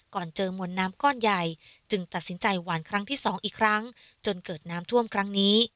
ก่อนเจอมวลน้ำก้อนใหญ่จึงตัดสินใจหวานครั้งที่สองอีกครั้งจนเกิดน้ำท่วมครั้งนี้